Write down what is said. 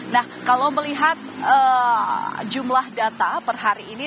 nah kalau melihat jumlah data per hari ini